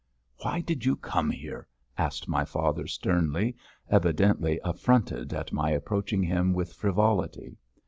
"Why did you come here?" asked my father sternly, evidently affronted at my reproaching him with frivolity.